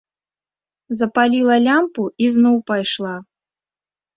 Запаліла лямпу і зноў пайшла.